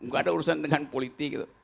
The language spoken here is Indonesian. gak ada urusan dengan politik gitu